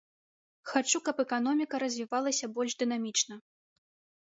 Хачу, каб эканоміка развівалася больш дынамічна.